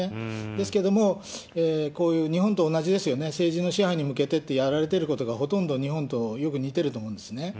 ですけども、こういう日本と同じですよね、政治の支配に向けてってやられていることが、ほとんど日本とよく似てると思うんですね。